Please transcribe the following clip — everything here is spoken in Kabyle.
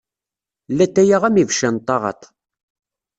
Llatay-a am ibeccan n taɣaḍt.